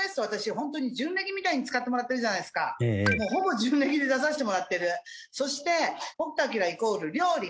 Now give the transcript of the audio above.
ホントに準レギみたいに使ってもらってるじゃないですかほぼ準レギで出させてもらってるそして北斗晶イコール料理